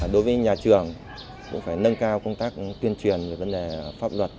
đối với nhà trường cũng phải nâng cao công tác tuyên truyền về vấn đề pháp luật